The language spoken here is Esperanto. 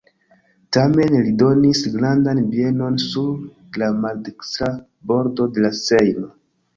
Tamen li donis grandan bienon sur la maldekstra bordo de la Sejno.